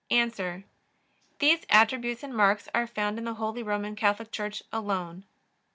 A. These attributes and marks are found in the Holy Roman Catholic Church alone.